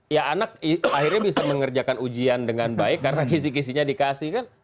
ya anak akhirnya bisa mengerjakan ujian dengan baik karena kisi kisinya dikasih kan